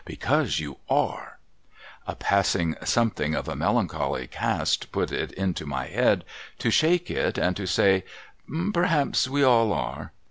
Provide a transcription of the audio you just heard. Because you arc' A passing Something of a melancholy cast put it into my head to shake it, and to say, ' Perhaps we all are.'